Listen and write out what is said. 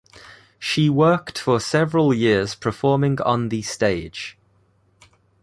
She worked for several years performing on the stage.